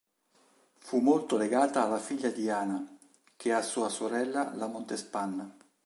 Fu molto legata alla figlia Diana che a sua sorella La Montespan.